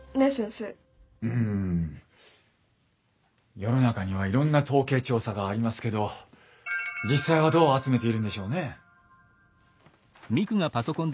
世の中にはいろんな統計調査がありますけど実際はどう集めているんでしょうね？